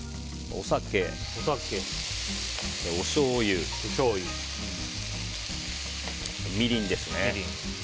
お酒、おしょうゆ、みりんですね。